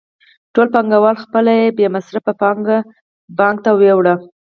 ټول پانګوال خپله بې مصرفه پانګه بانک ته وړي